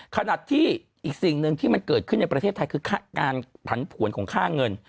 ขณะที่อีกสิ่งหนึ่งที่มันเกิดขึ้นในประเทศไทยคือการผันผวนของค่าเงิน